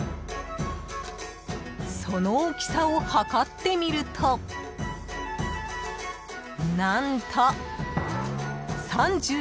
［その大きさを測ってみると何と］